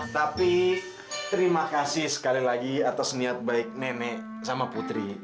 tapi terima kasih sekali lagi atas niat baik nenek sama putri